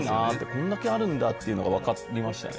これだけあるんだっていうのがわかりましたね。